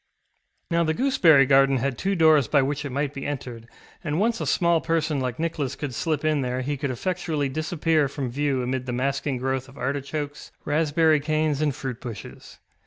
ŌĆØ Now the gooseberry garden had two doors by which it might be entered, and once a small person like Nicholas could slip in there he could effectually disappear from view amid the masking growth of artichokes, raspberry canes, and fruit bushes.